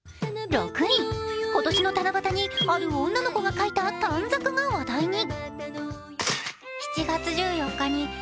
今年の七夕にある女の子が書いた短冊が話題に。